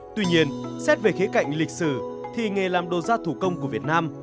tuy nhiên xét về khế cạnh lịch sử thì nghề làm đồ da thủ công của việt nam